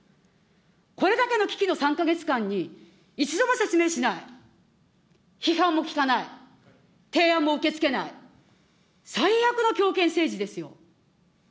これだけの危機の３か月間に、一度も説明しない、批判も聞かない、提案も受け付けない、最悪の強権政治ですよ。